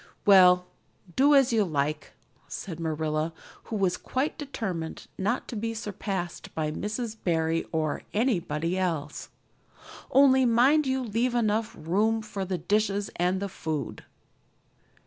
"Well, do as you like," said Marilla, who was quite determined not to be surpassed by Mrs. Barry or anybody else. "Only mind you leave enough room for the dishes and the food."